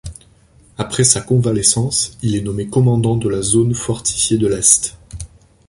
Après sa convalescence, il est nommé commandant de la zone fortifiée de l'Est.